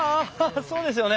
そうですよね！